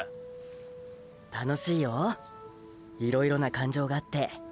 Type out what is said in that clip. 楽しいよいろいろな感情があって。